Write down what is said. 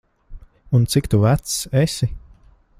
Un, cik tu vecs esi?